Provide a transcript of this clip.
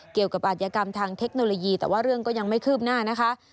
อัธยกรรมทางเทคโนโลยีแต่ว่าเรื่องก็ยังไม่คืบหน้านะคะ